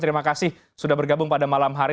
terima kasih sudah bergabung pada malam hari